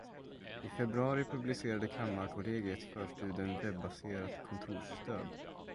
I februari publicerade Kammarkollegiet förstudien Webbaserat kontorsstöd.